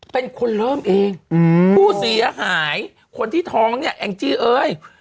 เป็นคนเริ่มเองอืมผู้เสียหายคนที่ท้องเนี่ยแองจี้เอ้ย